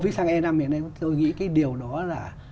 với xăng e năm hiện nay tôi nghĩ cái điều đó là